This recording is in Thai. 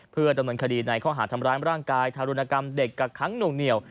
เพื่อดำเนินคดีในข้อหาดทำร้ายร่างกายทารุณกรรมเด็กกักค้างหน่วงเหนียว